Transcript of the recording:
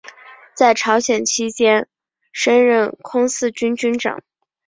在朝鲜期间升任空四军军长。